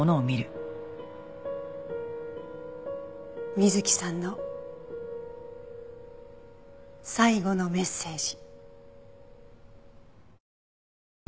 瑞希さんの最後のメッセージ。